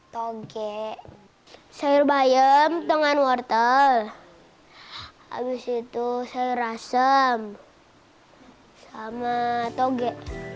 toge sayur bayam dengan wortel habis itu sayur rasem sama toge